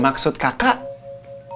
maksud kakak masalah ini